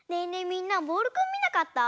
みんなボールくんみなかった？